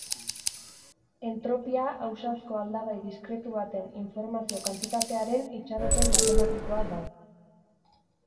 Entropia ausazko aldagai diskretu baten informazio-kantitatearen itxaropen matematikoa da.